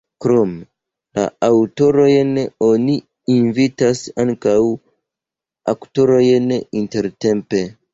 Krom la aŭtorojn oni invitas ankaŭ aktorojn intertempe.